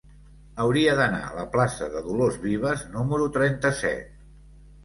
Hauria d'anar a la plaça de Dolors Vives número trenta-set.